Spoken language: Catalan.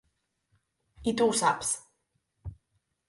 I tu ho saps.